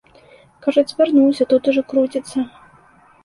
Кажуць, вярнуўся, тут ужо круціцца.